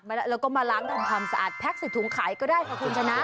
พอตัดมาแล้วก็มาล้างด้านความสะอาดแพ็กใส่ถุงขายก็ได้เค้าคงชนะ